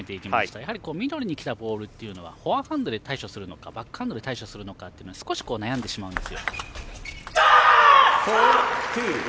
やはりミドルにきたボールというのはフォアハンドで対処するのかバックハンドで対処するのか少し悩んでしまうんです。